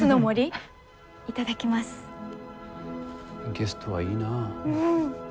ゲストはいいなあ。